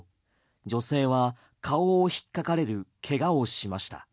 女性は顔を引っかかれるけがをしました。